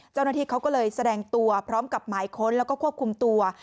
เจ้าหน้าที่เขาก็เลยแสดงตัวพร้อมกับหมายค้นแล้วก็ควบคุมตัว